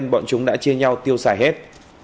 nên bọn chúng đã chia nhau tiêu xài hết